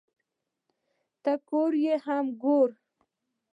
ته کور یې هم مې گور